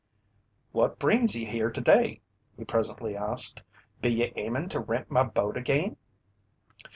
"What brings ye here today?" he presently asked. "Be ye aimin' to rent my boat again?"